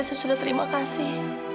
saya sudah terima kasih